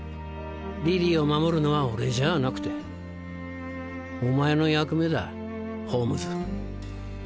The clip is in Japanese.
リリーを守るのは俺じゃあなくてお前の役目だホームズ。